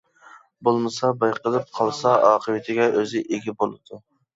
بولمىسا بايقىلىپ قالسا ئاقىۋىتىگە ئۆزى ئىگە بولىدۇ.